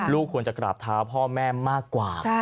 ควรจะกราบเท้าพ่อแม่มากกว่า